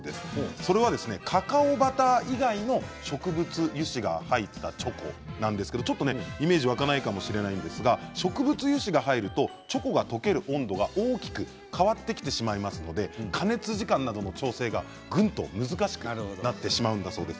それは、カカオバター以外の植物油脂が入ったチョコなんですが植物油脂が入ると、チョコが溶ける温度が大きく変わってきてしまいますので加熱時間などの調整がぐんと難しくなってしまうんだそうです。